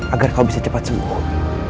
agar kau bisa cepat sembuh